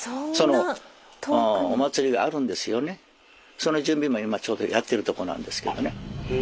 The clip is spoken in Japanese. その準備も今ちょうどやってるとこなんですけどね。